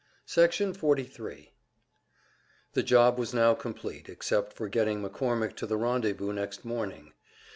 Section 43 The job was now complete, except for getting McCormick to the rendezvous next morning.